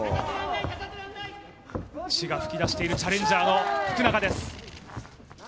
血が噴き出しているチャレンジャーの福永です。